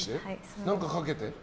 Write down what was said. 何かかけて？